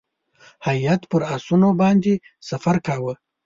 هیات پر آسونو باندې سفر کاوه.